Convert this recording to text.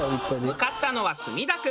向かったのは墨田区。